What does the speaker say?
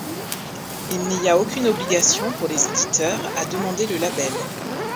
Il n'y a aucune obligation pour les éditeurs à demander le label.